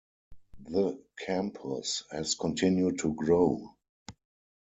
The campus has continued to grow.